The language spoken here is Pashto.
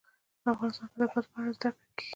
افغانستان کې د ګاز په اړه زده کړه کېږي.